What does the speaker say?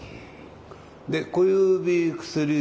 で小指薬指